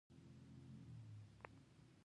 هغه یې د فساد او بې عدالتۍ څخه د ژغورلو په نوم وکړ.